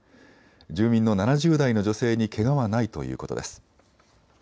住民の７０代の女性にけがはないということです。